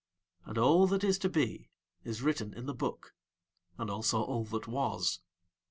And all that is to be is written in the book is also all that was.